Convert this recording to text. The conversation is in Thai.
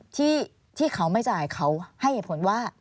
ที่เขาไม่จ่ายเขาให้เหตุผลว่า